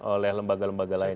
oleh lembaga lembaga lain